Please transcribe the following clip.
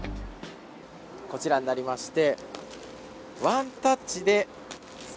こちらになりまして。